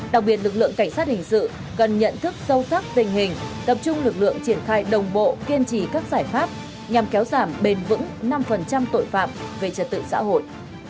đặc biệt lực lượng cảnh sát hình sự cần nhận thức sâu sắc tình hình tập trung lực lượng triển khai đồng bộ kiên trì các giải pháp nhằm kéo giảm bền vững năm tội phạm về trật tự xã hội